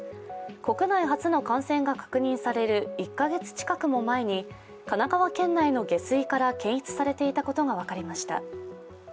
国内初の感染が確認される１カ月近くも前に神奈川県内の下水から検出されていたことが分かりました。